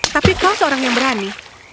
tapi kau seorang yang berani